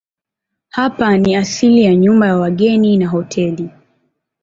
Hapa ni asili ya nyumba ya wageni na hoteli.